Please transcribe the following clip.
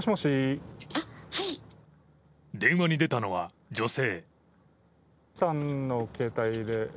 電話に出たのは女性。